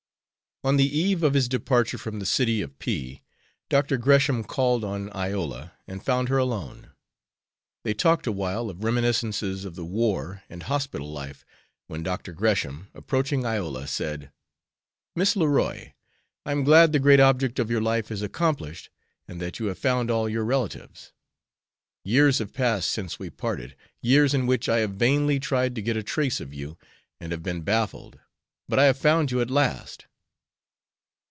On the eve of his departure from the city of P , Dr. Gresham called on Iola, and found her alone. They talked awhile of reminiscences of the war and hospital life, when Dr. Gresham, approaching Iola, said: "Miss Leroy, I am glad the great object of your life is accomplished, and that you have found all your relatives. Years have passed since we parted, years in which I have vainly tried to get a trace of you and have been baffled, but I have found you at last!"